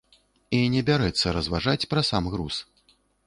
І не бярэцца разважаць пра сам груз.